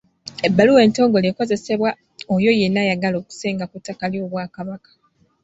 Ebbaluwa entongole ekozesebwa oyo yenna ayagala okusenga ku ttaka ly’Obwakabaka.